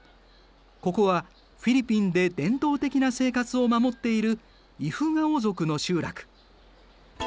ここはフィリピンで伝統的な生活を守っているイフガオ族の集落。